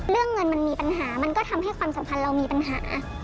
เรื่องเงินมันมีปัญหามันก็ทำให้ความสัมพันธ์เรามีปัญหา